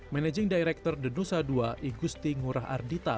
managing director denusa ii igusti ngurah ardita